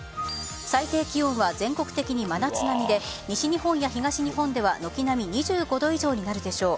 最低気温は全国的に真夏並みで西日本や東日本では軒並み２５度以上になるでしょう。